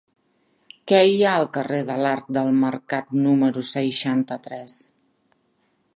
Què hi ha al carrer de l'Arc del Mercat número seixanta-tres?